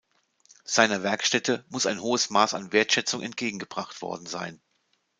Seiner Werkstätte muss ein hohes Maß an Wertschätzung entgegengebracht worden sein.